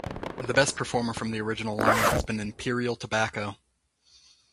The best performer from the original lineup has been Imperial Tobacco.